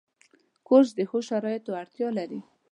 کورس د ښو شرایطو اړتیا لري.